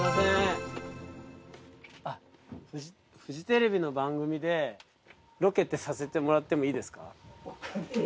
フジテレビの番組でロケってさせてもらってもいいですか？